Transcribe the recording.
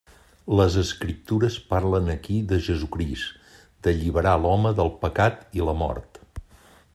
Les escriptures parlen aquí de Jesucrist, d'alliberar l'home del pecat i la mort.